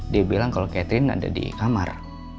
dia bilang kalau catherine ada di kamar